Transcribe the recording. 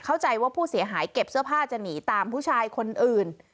เข้าใจว่าผู้เสียหายเก็บเสื้อผ้าจะหนีตามผู้ชายคนอื่น